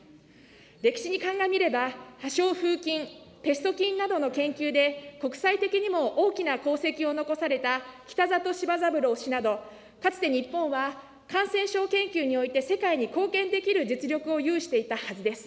歴史に鑑みれば、破傷風菌、ペスト菌などの研究で、国際的にも大きな功績を残された北里柴三郎氏などかつて日本は、感染症研究において世界に貢献できる実力を有していたはずです。